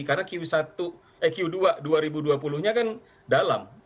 karena q dua dua ribu dua puluh nya kan dalam